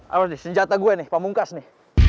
apa sih senjata gue nih pak bungkas nih